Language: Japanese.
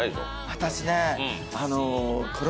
私ね